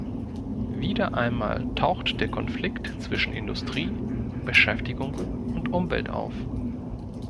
Wieder einmal taucht der Konflikt zwischen Industrie, Beschäftigung und Umwelt auf.